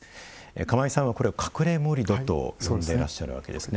釜井さんはこれを「隠れ盛土」と呼んでらっしゃるわけですね。